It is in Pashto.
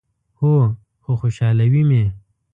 هو، خو خوشحالوي می